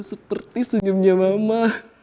seperti senyumnya mama